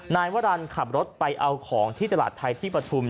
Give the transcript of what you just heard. นายวรรณขับรถไปเอาของที่ตลาดไทยที่ปฐุม